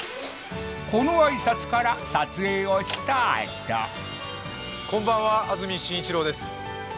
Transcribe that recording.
この挨拶から撮影をスタートこんばんは安住紳一郎です